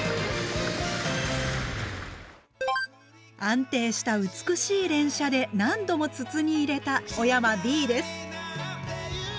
安定した美しい連射で何度も筒に入れた小山Ｂです。